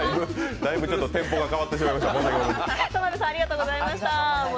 だいぶ展望が変わってしまいました。